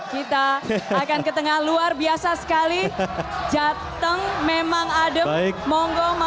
kita akan ke tengah luar biasa sekali jateng memang adem monggo mau